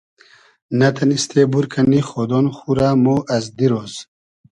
نۂ تئنیستې بور کئنی خۉدۉن خو رۂ مۉ از دیرۉز